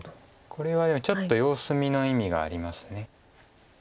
これはちょっと様子見の意味があります。